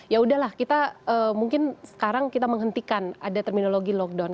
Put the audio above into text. ya udahlah kita mungkin sekarang kita menghentikan ada terminologi lockdown